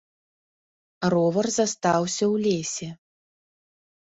Ровар застаўся ў лесе.